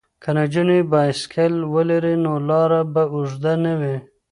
که نجونې بایسکل ولري نو لاره به اوږده نه وي.